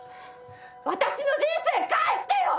私の人生返してよ！